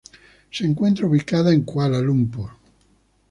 Se encuentra ubicado en Kuala Lumpur.